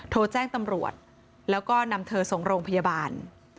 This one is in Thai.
โทรแจ้งตำรวจแล้วก็นำเธอส่งโรงพยาบาล